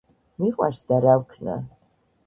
მიყვარს და რა ვქნა